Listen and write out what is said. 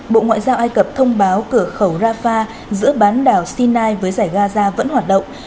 bộ ngoại giao ai cập thông báo cửa khẩu rafah giữa bán đảo sinai với giải gaza vẫn hoạt động